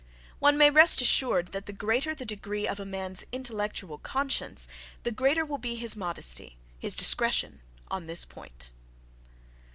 One may rest assured that the greater the degree of a man's intellectual conscience the greater will be his modesty, his discretion, on this point.